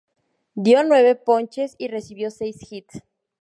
Dio nueve ponches y recibió seis hits.